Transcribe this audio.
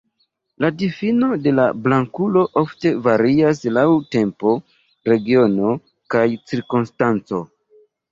La difino de "blankulo" ofte varias laŭ tempo, regiono, kaj cirkonstanco.